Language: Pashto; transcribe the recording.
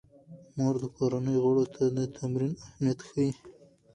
مور د کورنۍ غړو ته د تمرین اهمیت ښيي.